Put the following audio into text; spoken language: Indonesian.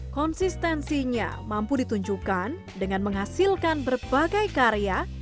konsistensinya mampu ditunjukkan dengan menghasilkan berbagai karya